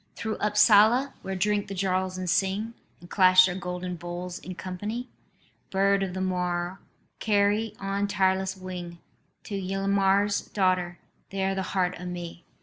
"Through Upsala, where drink the Jarls and sing, And clash their golden bowls in company, Bird of the moor, carry on tireless wing To Ylmer's daughter there the heart of me.